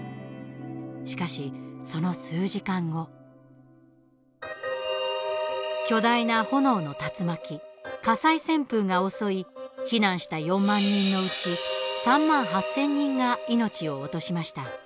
しかし、その数時間後巨大な炎の竜巻、火災旋風が襲い避難した４万人のうち３万８０００人が命を落としました。